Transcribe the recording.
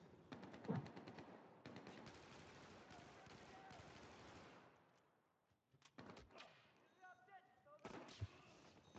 तेलंगाना सरकार ने नियुक्त किया वास्तु सलाहकार, जरूरी बैठकों के लिए बताएंगे सही वक्त